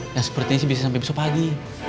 nah sepertinya sih bisa sampai besok pagi